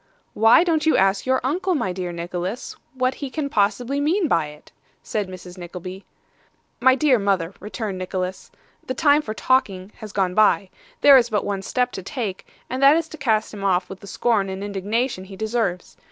'Why don't you ask your uncle, my dear Nicholas, what he can possibly mean by it?' said Mrs. Nickleby. 'My dear mother,' returned Nicholas, 'the time for talking has gone by. There is but one step to take, and that is to cast him off with the scorn and indignation he deserves.